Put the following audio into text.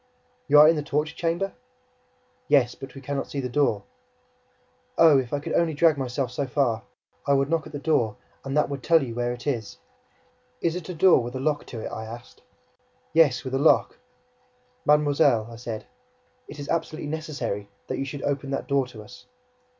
"You are in the torture chamber?" "Yes, but we can not see the door." "Oh, if I could only drag myself so far! I would knock at the door and that would tell you where it is." "Is it a door with a lock to it?" I asked. "Yes, with a lock." "Mademoiselle," I said, "it is absolutely necessary, that you should open that door to us!"